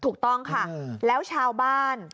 ถูกต้องค่ะแล้วชาวบ้าน